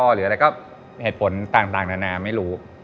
หรืออะไรก็เหตุผลต่างนานาไม่รู้